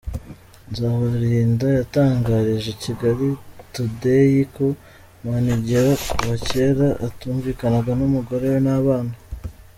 Nzabarinda yatangarije Kigali Tudeyi ko Manigera kuva kera atumvikanaga n’umugore we n’abana.